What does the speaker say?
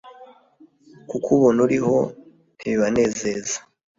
Kukubona uriho ntibibanezeza